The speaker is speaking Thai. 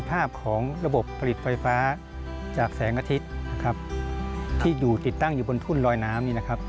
ไฟฟ้าจากแสงอาทิตย์ที่ติดตั้งอยู่บนทุ่นลอยน้ำ